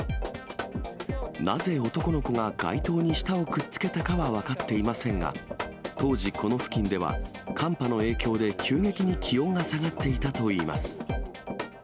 なぜ男の子が街灯に舌をくっつけたかは分かっていませんが、当時、この付近では寒波の影響で急激に気温が下がっていたといいます。